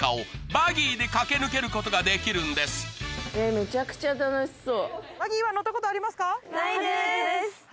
めちゃくちゃ楽しそう。